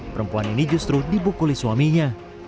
perempuan ini justru dibukuli suaminya